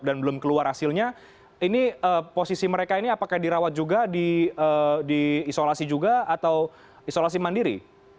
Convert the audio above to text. dan belum keluar hasilnya ini posisi mereka ini apakah dirawat juga diisolasi juga atau isolasi mandiri